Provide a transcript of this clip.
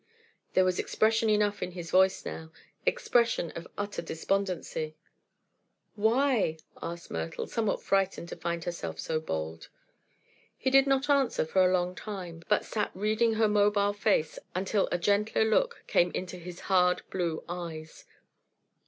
There was expression enough in his voice now; expression of utter despondency. "Why?" asked Myrtle, somewhat frightened to find herself so bold. He did not answer for a long time, but sat reading her mobile face until a gentler look came into his hard blue eyes.